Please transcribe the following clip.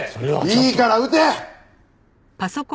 いいから打て！